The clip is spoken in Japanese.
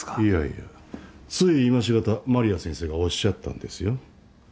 いやいやつい今しがた麻里亜先生がおっしゃったんですよ。